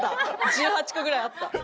１８個ぐらいあった。